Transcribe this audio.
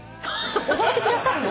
踊ってくださるの？